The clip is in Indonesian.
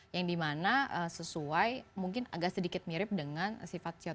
yang dimana sesuai mungkin agak sedikit mirip dengan sifat george